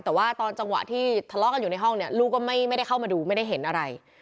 แต่ว่าตอนจังหวะที่ทะเลาะกันอยู่ในห้องเนี่ยลูกก็ไม่ได้เข้ามาดูไม่ได้เห็นอะไร